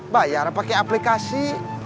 bayar pakai aplikasi